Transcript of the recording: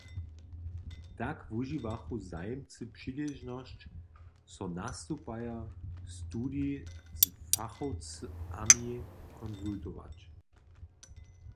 Tak wužiwachu zajimcy přiležnosć, so nastupajo studij z fachowcami konsultować.